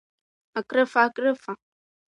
Акрыфа, акрыфа…